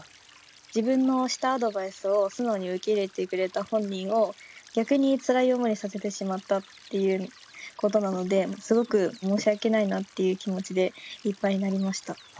自分のしたアドバイスを素直に受け入れてくれた本人を逆につらい思いさせてしまったっていうことなのですごく申しわけないなっていう気持ちでいっぱいになりました。